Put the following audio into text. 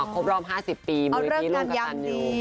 อ๋อครบรอบ๕๐ปีมือพี่ล้องกระตันอยู่